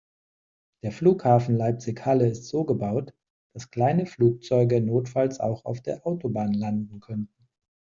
Der Flughafen Leipzig/Halle ist so gebaut, dass kleine Flugzeuge notfalls auch auf der Autobahn landen könnten.